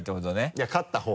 いや勝った方。